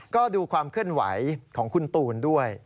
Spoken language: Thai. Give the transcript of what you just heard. ก็ดูความเคลื่อนไหวของคุณตูนด้วย